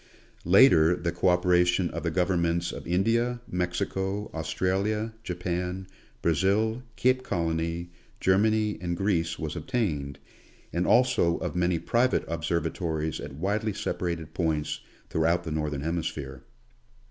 Later, the co operation of the Governments of India, Mexico, Australia, Japan, Brazil, Cape Colony, Germany, and Greece, was obtained, and also of many private observatories at widely separated points throughout the Northern Hemisphere.